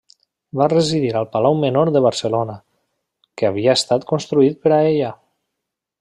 Va residir al Palau Menor de Barcelona, que havia estat construït per a ella.